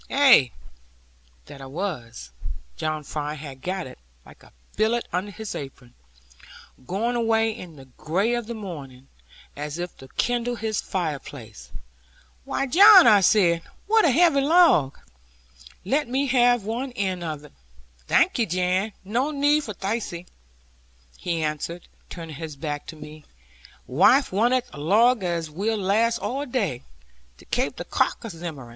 Ay, that I was; John Fry had got it, like a billet under his apron, going away in the gray of the morning, as if to kindle his fireplace. 'Why, John,' I said, 'what a heavy log! Let me have one end of it.' 'Thank'e, Jan, no need of thiccy,' he answered, turning his back to me; 'waife wanteth a log as will last all day, to kape the crock a zimmerin.'